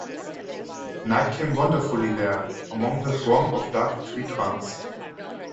Night came wonderfully there, among the throng of dark tree-trunks.